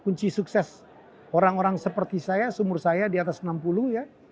kunci sukses orang orang seperti saya seumur saya di atas enam puluh ya